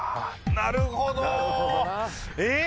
なるほどえ！